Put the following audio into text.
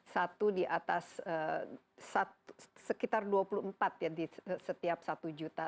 satu di atas sekitar dua puluh empat ya di setiap satu juta